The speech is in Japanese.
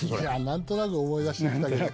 何となく思い出したけど。